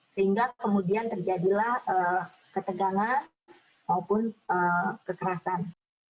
sehingga kemudian terjadilah ketegangan maupun kekerasan